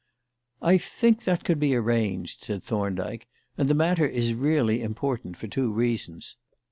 "I think that could be arranged," said Thorndyke; "and the matter is really important for two reasons.